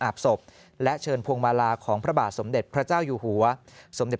ศพและเชิญพวงมาลาของพระบาทสมเด็จพระเจ้าอยู่หัวสมเด็จ